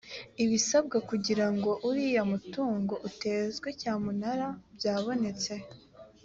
ibisabwa kugirango uriya mutungo utezwe cya munara byabonetse